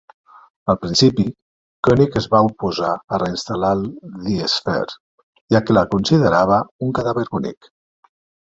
Al principi, Koenig es va oposar a reinstal·lar "The Sphere", ja que la considerava "un cadàver bonic".